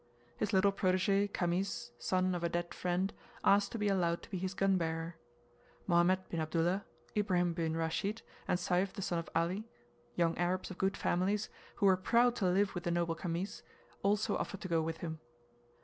His little protege, Khamis, son of a dead friend, asked to be allowed to be his gun bearer. Mohammed bin Abdulluh, Ibrahim bin Rashid, and Sayf, the son of Ali, young Arabs of good families, who were proud to live with the noble Khamis, also offered to go with him.